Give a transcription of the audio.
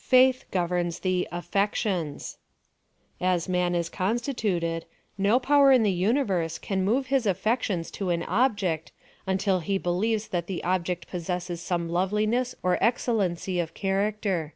Faith governs the AffectioJis. As man is constituted, no power in the universe can move his affections to an object, until he be lieves that the object possesses some lovliness or excellency of character.